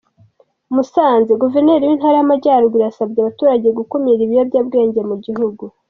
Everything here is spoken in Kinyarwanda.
Musanze: Guverineri w’Intara y’Amajyaruguru yasabye abaturage gukumira ibiyobyabwenge mu gihugu.